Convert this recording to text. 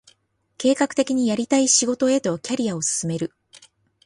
計画的にやりたい仕事へとキャリアを進める